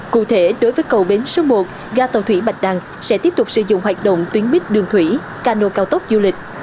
cụ thể đối với cầu bến số một ga tàu thủy bạch đăng sẽ tiếp tục sử dụng hoạt động tuyến bít đường thủy cano cao tốc du lịch